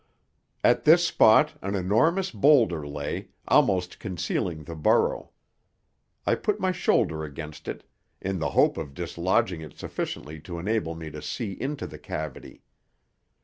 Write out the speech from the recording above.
At this spot an enormous boulder lay, almost concealing the burrow. I put my shoulder against it in the hope of dislodging it sufficiently to enable me to see into the cavity.